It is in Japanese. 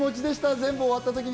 全部終わった時に。